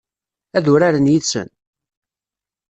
Ad uraren yid-sen?